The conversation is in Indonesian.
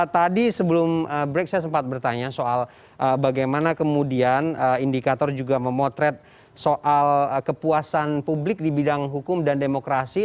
tadi sebelum break saya sempat bertanya soal bagaimana kemudian indikator juga memotret soal kepuasan publik di bidang hukum dan demokrasi